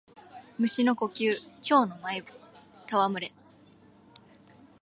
蟲の呼吸蝶ノ舞戯れ（ちょうのまいたわむれ）